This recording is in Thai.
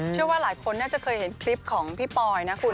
เชื่อว่าหลายคนน่าจะเคยเห็นคลิปของพี่ปอยนะคุณ